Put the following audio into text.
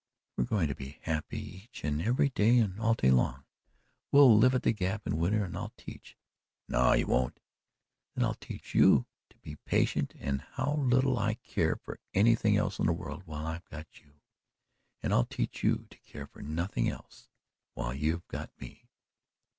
"We're going to be happy each and every day, and all day long! We'll live at the Gap in winter and I'll teach." "No, you won't." "Then I'll teach you to be patient and how little I care for anything else in the world while I've got you, and I'll teach you to care for nothing else while you've got me.